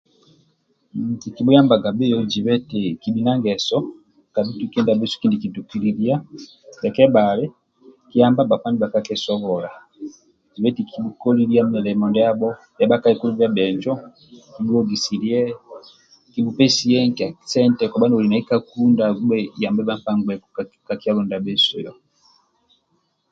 Kiki buyambaga biyo jibha eti kibi na mgeso la bhitwike ndiasu kindye kitukililiya ndia kebali kiuamba bakpa ndiba kakyesobola jibheti kibukolilia milimo ndiabho byaba kaikulu bya benko kibhuhogisilye kibu pesiye nkya sente koba noli nai ka kunda kibuyamba bakaikulu bya bhenjo omwogusikie kubhupesie mikia sente kabha noli nai ka kunda bhia nkpa ngbeku ka kyalo ndiabhesu yoho